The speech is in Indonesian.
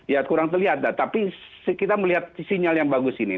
ya kurang terlihat tapi kita melihat sinyal yang bagus ini